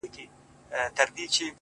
ماته به بله موضوع پاته نه وي؛